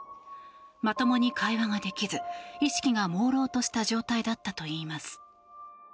まともに会話ができず意識がもうろうとした状態だったといいます。